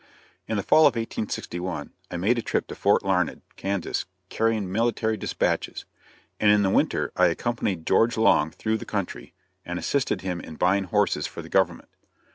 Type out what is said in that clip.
In the fall of 1861 I made a trip to Fort Larned, Kansas, carrying military dispatches, and in the winter I accompanied George Long through the country, and assisted him in buying horses for the government.